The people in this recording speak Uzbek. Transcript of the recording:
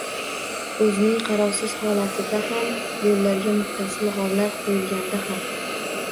O‘zining qarovsiz holatida ham, yo‘llarga muttasil g‘ovlar qo‘yilganda ham